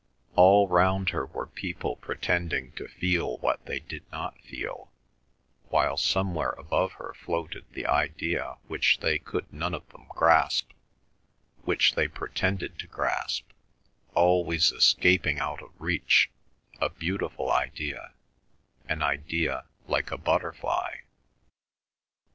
All round her were people pretending to feel what they did not feel, while somewhere above her floated the idea which they could none of them grasp, which they pretended to grasp, always escaping out of reach, a beautiful idea, an idea like a butterfly.